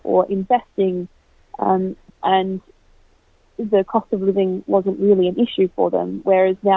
akan menjadi generasi yang paling berdosa